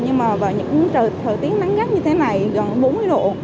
nhưng mà vào những thời tiết nắng gắt như thế này gần bốn mươi độ